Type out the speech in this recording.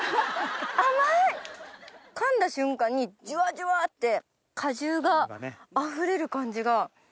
かんだ瞬間にジュワジュワって果汁があふれる感じが。